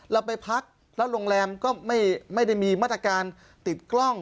เราไปพักแล้วโรงแรมก็ไม่ได้มีมาตรการติดกล้อง